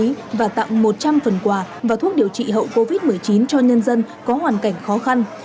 đoàn công tác đã khám bệnh cấp phát thuốc miễn phí và tặng một trăm linh phần quà và thuốc điều trị hậu covid một mươi chín cho nhân dân có hoàn cảnh khó khăn